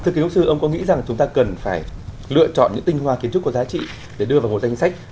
thưa kiến trúc sư ông có nghĩ rằng chúng ta cần phải lựa chọn những tinh hoa kiến trúc có giá trị để đưa vào một danh sách